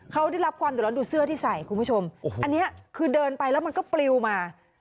เขาได้รับความเดือดร้อนดูเสื้อที่ใส่คุณผู้ชมอันนี้คือเดินไปแล้วมันก็ปลิวมา